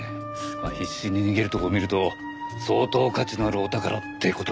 まあ必死に逃げるところを見ると相当価値のあるお宝って事ですかね？